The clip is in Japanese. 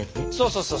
そうそう。